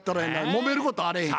もめることあれへん。